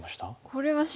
これは白